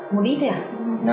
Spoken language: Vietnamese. một ít thế hả